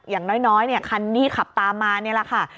อย่างน้อยคันที่ขับตามมานี่แหละค่ะ